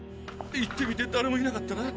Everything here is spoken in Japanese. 行ってみてだれもいなかったら？